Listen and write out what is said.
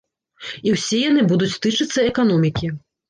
І ўсе яны будуць тычыцца эканомікі.